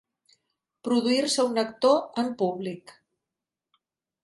Produir-se, un actor, en públic.